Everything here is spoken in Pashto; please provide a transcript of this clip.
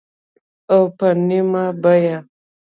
او په نیمه بیه